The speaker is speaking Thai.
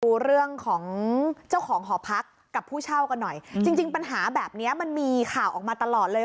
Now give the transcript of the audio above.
ดูเรื่องของเจ้าของหอพักกับผู้เช่ากันหน่อยจริงจริงปัญหาแบบเนี้ยมันมีข่าวออกมาตลอดเลย